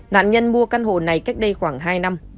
nạn nhân mua căn hộ này cách đây khoảng hai năm